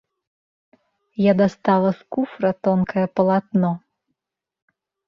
Я дастала з куфра тонкае палатно.